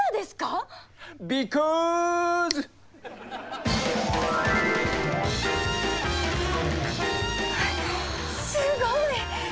すごい！